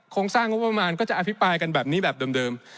สร้างงบประมาณก็จะอภิปรายกันแบบนี้แบบเดิม